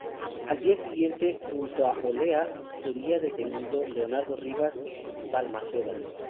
Al día siguiente, junto a Olea, sería detenido Leonardo Rivas Balmaceda.